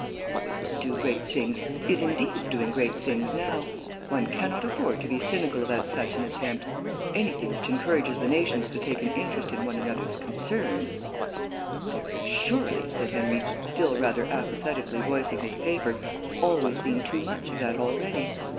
Oh, it will do great things; is, indeed, doing great things now. One cannot afford to be cynical about such an attempt. Anything which encourages the nations to take an interest in one another's concerns " "There has surely," said Henry, still rather apathetically voicing his paper, "always been too much of that already.